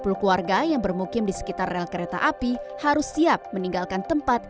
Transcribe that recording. dua ratus empat puluh keluarga yang bermukim di sekitar rel kereta api harus siap meninggalkan tempat